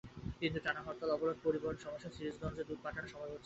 কিন্তু টানা হরতাল-অবরোধে পরিবহন সমস্যায় সিরাজগঞ্জে দুধ পাঠানো সম্ভব হচ্ছে না।